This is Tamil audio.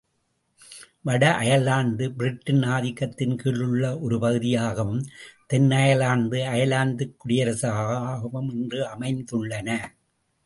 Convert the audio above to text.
வட அயர்லாந்து பிரிட்டனின் ஆதிக்கத்தின் கீழுள்ள ஒரு பகுதியாகவும், தென் அயர்லாந்து, அயர்லாந்துக் குடியரசாகவும் இன்று அமைந்துள்ளன.